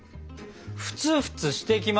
フツフツしてきました。